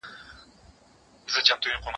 کېدای سي شګه ناپاکه وي،